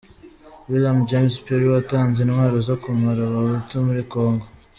William James Perry watanze intwaro zo kumara abahutu muri kongo